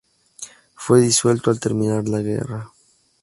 Fue disuelto al terminar la guerra.